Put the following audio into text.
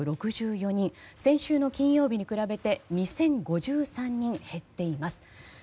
先週の金曜日に比べて２０５３人、減っています。